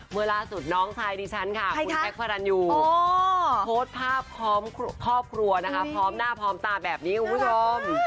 เมื่อล่าสุดน้องชายดิฉันค่ะคุณแท็กพระรันยูโพสต์ภาพพร้อมครอบครัวนะคะพร้อมหน้าพร้อมตาแบบนี้คุณผู้ชม